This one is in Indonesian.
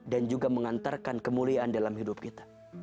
dan juga mengantarkan kemuliaan dalam hidup kita